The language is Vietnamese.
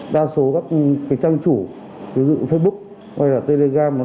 đa số các trang chủ ví dụ facebook hay là telegram